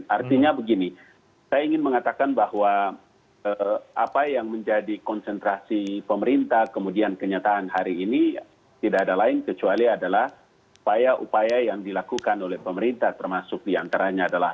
artinya begini saya ingin mengatakan bahwa apa yang menjadi konsentrasi pemerintah kemudian kenyataan hari ini tidak ada lain kecuali adalah upaya upaya yang dilakukan oleh pemerintah termasuk diantaranya adalah